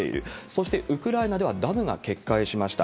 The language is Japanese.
そして、ウクライナではダムが決壊しました。